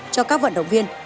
cho các vận động viên